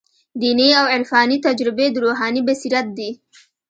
دیني او عرفاني تجربې د روحاني بصیرت دي.